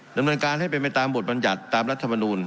นำหน่วยในการทำให้เป็นไปตามบทบัญญัติตามรัฐมนูน